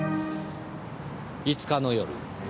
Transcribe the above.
５日の夜